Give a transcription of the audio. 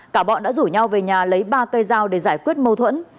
cả bọn đã rủ nhau về nhà lấy ba cây dao để giải quyết mâu thuẫn